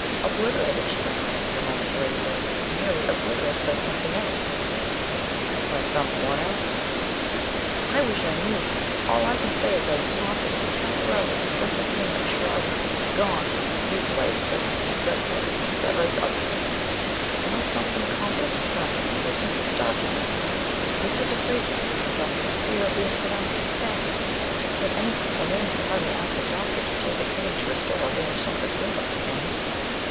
"Obliterated," she went on, after a moment to weigh the word, "merely obliterated by something else " "By some one else?" "I wish I knew. All I can say is that he is haunted, and temporarily his sense of humour is shrouded gone replaced by something dreadful that writes other things. Unless something competent is done, he will simply starve to death. Yet he is afraid to go to a doctor for fear of being pronounced insane; and, anyhow, a man can hardly ask a doctor to take a guinea to restore a vanished sense of humour, can he?"